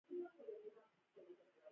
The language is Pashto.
آیا د وزن او پیمانې کنټرول شته؟